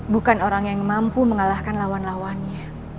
bukan orang yang mampu mengalahkan lawan lawannya